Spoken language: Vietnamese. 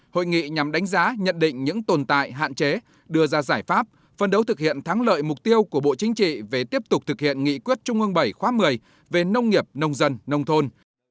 hội nghị nhằm đánh giá nhận định những tồn tại hạn chế đưa ra giải pháp phân đấu thực hiện thắng lợi mục tiêu của bộ chính trị về tiếp tục thực hiện nghị quyết trung ương bảy khóa một mươi về nông nghiệp nông dân nông thôn